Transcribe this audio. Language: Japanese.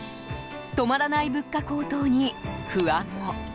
止まらない物価高騰に不安も。